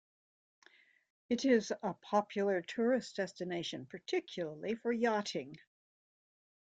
It is a popular tourist destination, particularly for yachting.